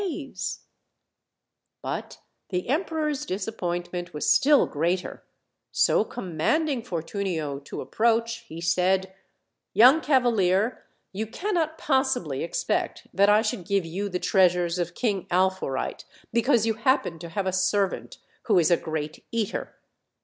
98 OLD, OLD FAIRY TALES, But the emperor's disappointment was still greater; so commanding Fortunio to approach, he said: "Young cavalier, you cannot possibly expect that I should give you the treasures of King Alfourite because you happen to have a servant who is a great eater.